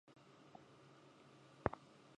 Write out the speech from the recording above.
د پکتیا په ځاځي کې د څه شي نښې دي؟